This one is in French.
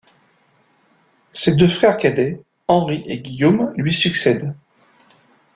Ses deux frères cadets Henri et Guillaume lui succèdent.